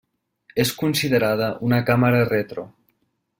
És considerada una càmera retro.